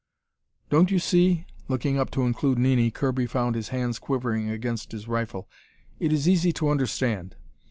"Don't you see?" Looking up to include Nini, Kirby found his hands quivering against his rifle. "It is easy to understand.